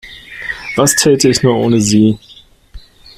Was täte ich nur ohne Sie?